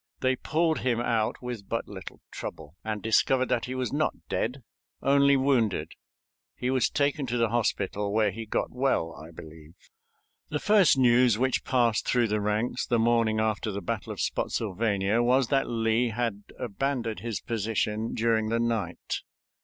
They pulled him out with but little trouble, and discovered that he was not dead, only wounded. He was taken to the hospital, where he got well, I believe. The first news which passed through the ranks the morning after the battle of Spottsylvania was that Lee had abandoned his position during the night.